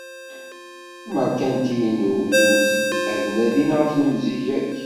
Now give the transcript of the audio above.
Imeṛkantiyen n ugdud ad nadin ɣef lemziya-k.